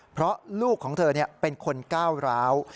เพราะลูกของเธอเป็นคนก้าวร้าว